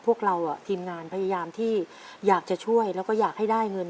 พวกเราทีมงานพยายามที่อยากจะช่วยแล้วก็อยากให้ได้เงิน